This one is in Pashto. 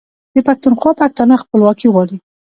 د پښتونخوا پښتانه خپلواکي غواړي.